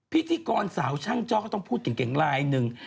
พิธีกรสาวช่างจ้อก็ต้องพูดเก่งลายหนึ่ง